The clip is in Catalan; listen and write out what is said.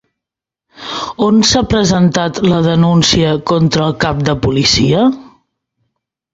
On s'ha presentat la denúncia contra el cap de la policia?